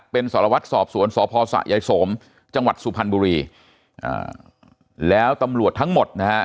เป็นสรวัสดิ์สอบสวนสพสยสมจังหวัดสุพันธุ์บุรีแล้วตำรวจทั้งหมดนะฮะ